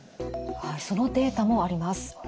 そのデータもあります。